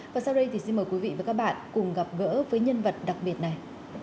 và sau đây thì xin mời quý vị và các bạn cùng gặp gỡ với nhân vật đặc biệt này